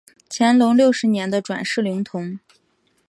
乾隆六十年的转世灵童。